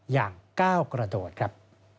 อย่างก้าวกระโดดครับ